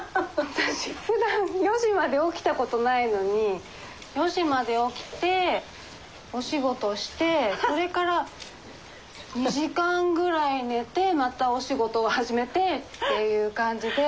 私ふだん４時まで起きた事ないのに４時まで起きてお仕事してそれから２時間ぐらい寝てまたお仕事を始めてっていう感じで。